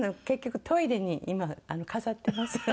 結局トイレに今飾ってます。